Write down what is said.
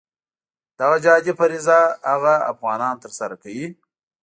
دغه جهادي فریضه هغه افغانان ترسره کوي.